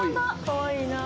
かわいいな。